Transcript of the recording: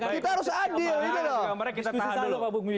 kita harus adil